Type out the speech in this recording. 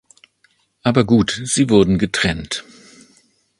Aber gut, sie wurden getrennt.